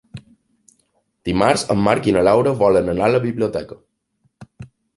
Dimarts en Marc i na Laura volen anar a la biblioteca.